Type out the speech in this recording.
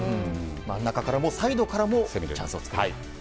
中からもサイドからもチャンスを作ったと。